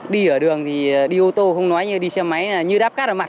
đi ở đường thì đi ô tô không nói như đi xe máy như đáp cát ở mặt